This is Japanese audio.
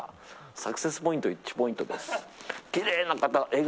サクセスポイント１ポイントです。